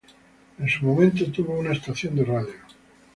En su momento tuvo una estación de radio.